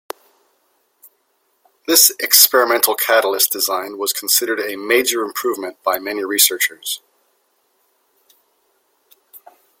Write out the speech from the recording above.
This experimental catalyst design was considered a major improvement by many researchers.